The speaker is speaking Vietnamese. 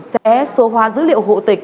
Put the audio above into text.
sẽ số hóa dữ liệu hộ tịch